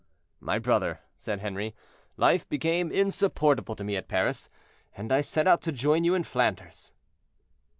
"My brother," said Henri, "life became insupportable to me at Paris, and I set out to join you in Flanders."